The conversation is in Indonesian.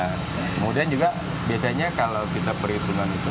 kemudian juga biasanya kalau kita perhitungan itu